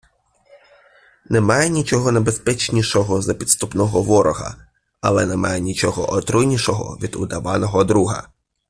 Немає нічого небезпечнішого за підступного ворога, але немає нічого отруйнішого від удаваного друга.